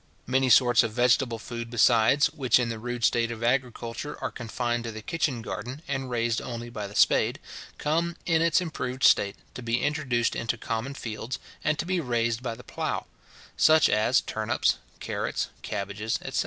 Many sorts of vegetable food, besides, which in the rude state of agriculture are confined to the kitchen garden, and raised only by the spade, come, in its improved state, to be introduced into common fields, and to be raised by the plough; such as turnips, carrots, cabbages, etc.